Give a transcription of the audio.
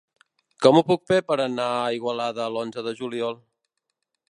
Com ho puc fer per anar a Igualada l'onze de juliol?